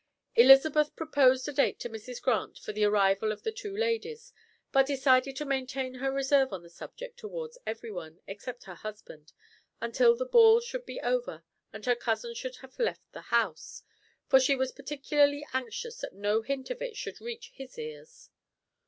Elizabeth proposed a date to Mrs. Grant for the arrival of the two ladies, but decided to maintain her reserve on the subject towards everyone, except her husband, until the ball should be over and her cousin should have left the house, for she was particularly anxious that no hint of it should reach his ears.